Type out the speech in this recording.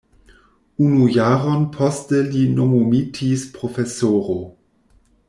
Unu jaron poste li nomumitis profesoro.